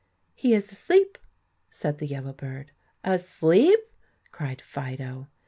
"He is asleep," said the yellow bird. "Asleep!" cried Fido.